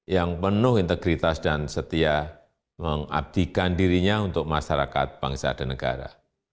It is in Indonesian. yang penuh integritas dan setia mengabdikan dirinya untuk masyarakat bangsa dan negara